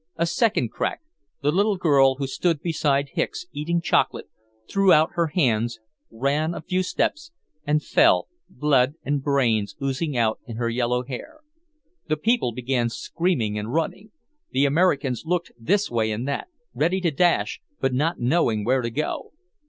A second crack, the little girl who stood beside Hicks, eating chocolate, threw out her hands, ran a few steps, and fell, blood and brains oozing out in her yellow hair. The people began screaming and running. The Americans looked this way and that; ready to dash, but not knowing where to go.